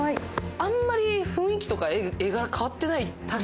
あんまり雰囲気とか絵柄、変わってない。